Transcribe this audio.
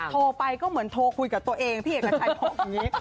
โทรไปก็เหมือนโทรคุยกับตัวเองพี่เอกชัยโพสต์อย่างนี้